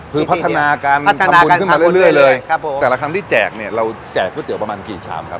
คือพัฒนาการทำบุญขึ้นมาเรื่อยเลยครับผมแต่ละครั้งที่แจกเนี่ยเราแจกก๋วยเตี๋ยวประมาณกี่ชามครับ